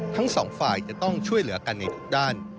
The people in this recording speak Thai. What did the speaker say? ทั้งสองฝ่ายจะต้องช่วยเหลือกันในทุกด้าน